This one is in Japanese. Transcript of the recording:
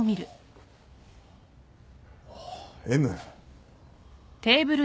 Ｍ。